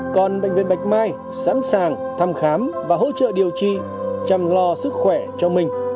còn bệnh viện bạch mai sẵn sàng thăm khám và hỗ trợ điều trị chăm lo sức khỏe cho mình